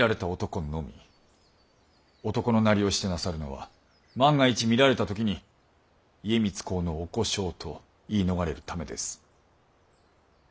男のなりをしてなさるのは万が一見られた時に家光公のお小姓と言い逃れるためです。